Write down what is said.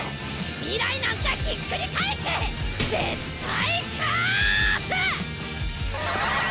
未来なんかひっくり返して絶対勝つ！